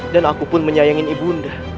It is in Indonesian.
dan aku pun menyayangi ibunda